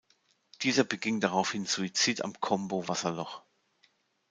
Dieser beging daraufhin Suizid am Combo-Wasserloch.